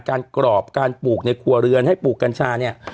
กรอบการปลูกในครัวเรือนให้ปลูกกัญชาเนี่ย